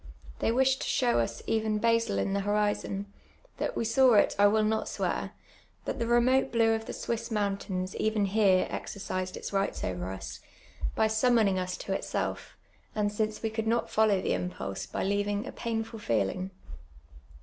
'lliey wished to show us even Basle in the horizon : that we saw it * I will not swear, but the remote blue of the S>%'i88 mountains even here exer cised its rii^hts over us, by summoning us to itself, and since we could not follow tlie impulse, by leavin«i: a painful feeling.